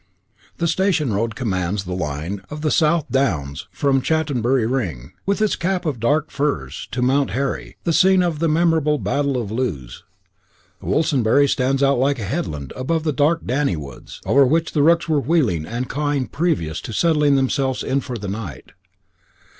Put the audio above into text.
The station road commands the line of the South Downs from Chantonbury Ring, with its cap of dark firs, to Mount Harry, the scene of the memorable battle of Lewes. Woolsonbury stands out like a headland above the dark Danny woods, over which the rooks were wheeling and cawing previous to settling themselves in for the night.